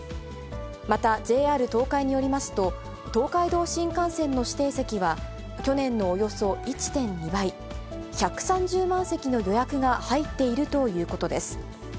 また、ＪＲ東海によりますと、東海道新幹線の指定席は、去年のおよそ１．２倍、１３０万席の予約が入っているということです。